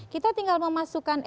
kita tinggal memasukkan